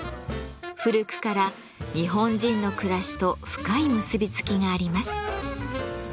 古くから日本人の暮らしと深い結び付きがあります。